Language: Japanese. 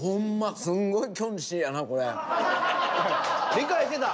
理解してた。